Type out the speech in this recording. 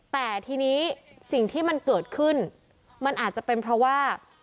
แต่ทีนี้สิ่งที่มันเกิดขึ้นมันอาจจะเป็นเพราะว่า